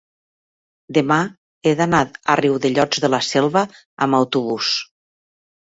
demà he d'anar a Riudellots de la Selva amb autobús.